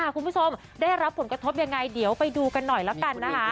คุณผู้ชมได้รับผลกระทบยังไงเดี๋ยวไปดูกันหน่อยละกันนะคะ